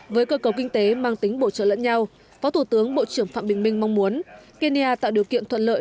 với cơ cầu kinh tế mang tính bổ trợ lẫn nhau phó thủ tướng bộ trưởng phạm bình minh mong muốn kenya tạo điều kiện thuận lợi